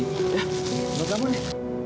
ya ini untuk kamu ya